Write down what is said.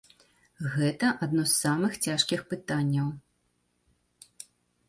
Гэта адно з самых цяжкіх пытанняў.